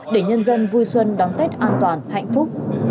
để nhân dân vui xuân đón tết an toàn hạnh phúc